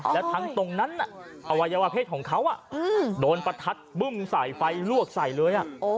แล้วทั้งตรงนั้นอวัยวะเพศของเขาโดนประทัดบึ้มใส่ไฟลวกใส่เลย